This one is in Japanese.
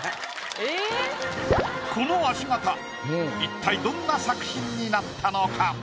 この足形一体どんな作品になったのか？